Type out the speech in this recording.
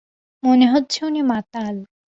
মনে হচ্ছে উনি মাতাল।